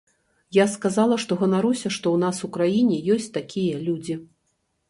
Я сказала, што ганаруся, што ў нас у краіне ёсць такія людзі.